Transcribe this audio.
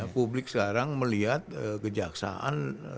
publik sekarang melihat kejaksaan